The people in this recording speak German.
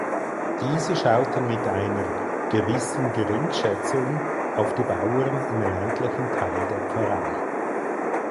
Diese schauten mit einer „gewissen Geringschätzung“ auf die Bauern im ländlichen Teil der Pfarrei.